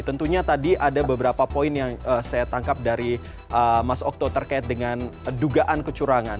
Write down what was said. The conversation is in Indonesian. tentunya tadi ada beberapa poin yang saya tangkap dari mas okto terkait dengan dugaan kecurangan